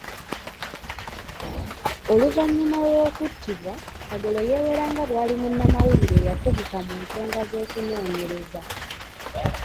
Ouvannyuma lw'okuttibwa Kagolo yeewera nga bw'ali munnamawulire eyakuguka mu nsonga z'okunnoonyereza.